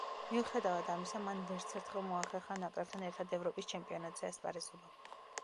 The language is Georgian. მიუხედავად ამისა, მან ვერცერთხელ მოახერხა ნაკრებთან ერთად ევროპის ჩემპიონატზე ასპარეზობა.